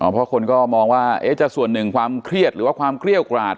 เพราะคนก็มองว่าจะส่วนหนึ่งความเครียดหรือว่าความเกรี้ยวกราด